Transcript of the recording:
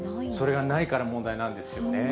それがないから問題なんですよね。